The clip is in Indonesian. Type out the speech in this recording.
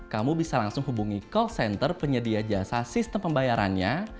kamu bisa langsung hubungi call center penyedia jasa sistem pembayarannya